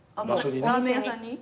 ラーメン屋さんに？